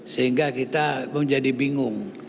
sehingga kita menjadi bingung